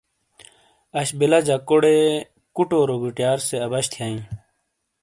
اَش بِیلہ جَکوڑے کُوٹو روگوٹیار سے اَبَش تھیائیں